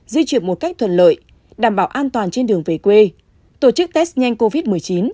di chuyển một cách thuận lợi đảm bảo an toàn trên đường về quê tổ chức test nhanh covid một mươi chín